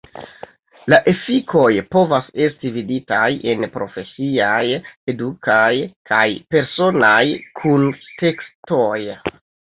La efikoj povas esti viditaj en profesiaj, edukaj kaj personaj kuntekstoj.